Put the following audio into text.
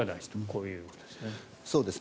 こういうことですね。